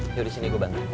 yaudah disini gue bantu